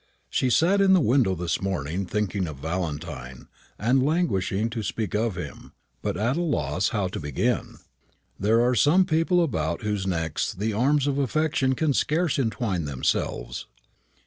She sat in the window this morning thinking of Valentine, and languishing to speak of him, but at a loss how to begin. There are some people about whose necks the arms of affection can scarce entwine themselves.